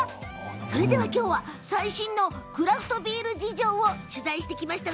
それでは今日は最新のクラフトビール事情を取材していきました。